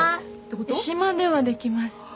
島ではできます。